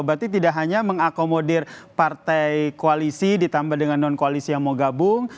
berarti tidak hanya mengakomodir partai koalisi ditambah dengan non koalisi yang mau gabung